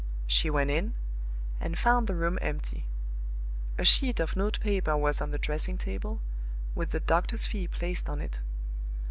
She went in, and found the room empty. A sheet of note paper was on the dressing table, with the doctor's fee placed on it.